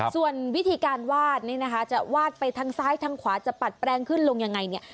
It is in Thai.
ส่วนวิธีการวาดนี่นะคะจะวาดไปทางซ้ายทางขวาจะปัดแปลงขึ้นลงยังไงเนี่ย